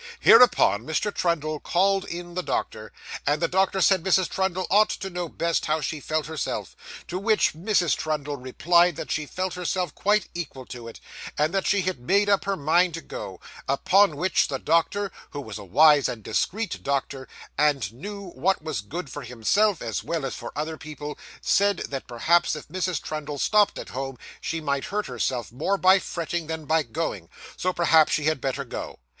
Hereupon, Mr. Trundle called in the doctor, and the doctor said Mrs. Trundle ought to know best how she felt herself, to which Mrs. Trundle replied that she felt herself quite equal to it, and that she had made up her mind to go; upon which the doctor, who was a wise and discreet doctor, and knew what was good for himself, as well as for other people, said that perhaps if Mrs. Trundle stopped at home, she might hurt herself more by fretting, than by going, so perhaps she had better go.